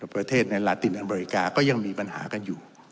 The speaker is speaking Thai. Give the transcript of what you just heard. ประเทศในลาตินอเมริกาก็ยังมีปัญหากันอยู่